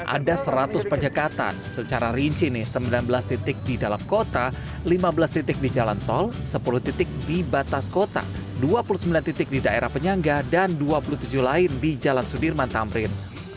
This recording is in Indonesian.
ada seratus penyekatan secara rinci nih sembilan belas titik di dalam kota lima belas titik di jalan tol sepuluh titik di batas kota dua puluh sembilan titik di daerah penyangga dan dua puluh tujuh lain di jalan sudirman tamrin